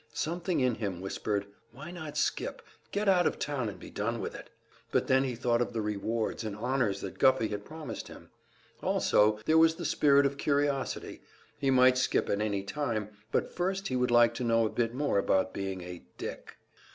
Something in him whispered, "Why not skip; get out of town and be done with it?" But then he thought of the rewards and honors that Guffey had promised him. Also there was the spirit of curiosity; he might skip at any time, but first he would like to know a bit more about being a "dick."